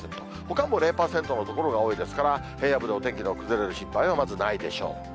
ほかも０％の所が多いですから、平野部でお天気の崩れる心配は、まずないでしょう。